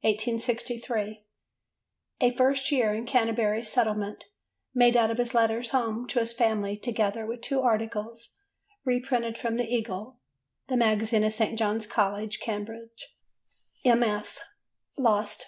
1863. A First Year in Canterbury Settlement: made out of his letters home to his family together with two articles reprinted from the Eagle (the magazine of St. John's College, Cambridge): MS. lost.